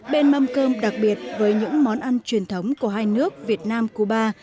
bên mâm cơm đặc biệt với những món ăn truyền thống của hai nước việt nam cuba